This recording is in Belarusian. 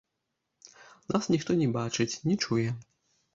Нас ніхто не бачыць, не чуе.